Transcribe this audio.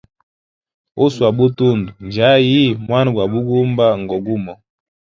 Uswa butundu njayi, mwana gwa bugumba ngo gumo.